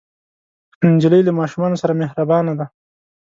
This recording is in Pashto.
نجلۍ له ماشومانو سره مهربانه ده.